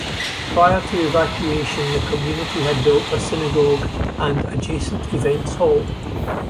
Prior to evacuation the community had built a synagogue and adjacent events hall.